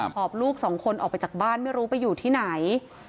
อบลูกสองคนออกไปจากบ้านไม่รู้ไปอยู่ที่ไหน